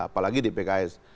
apalagi di pks